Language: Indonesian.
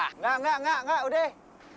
enggak enggak enggak udah